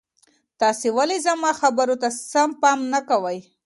تاسو ولي زما خبرو ته سم پام نه کوئ؟